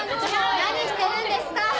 何してるんですか？